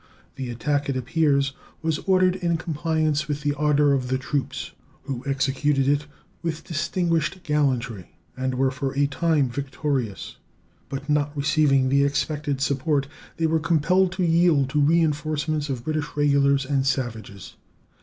The attack, it appears, was ordered in compliance with the ardor of the troops, who executed it with distinguished gallantry, and were for a time victorious; but not receiving the expected support, they were compelled to yield to reenforcements of British regulars and savages.